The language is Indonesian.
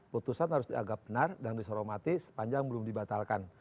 putusan harus diagap benar dan diseromati sepanjang belum dibatalkan